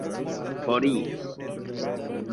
forigi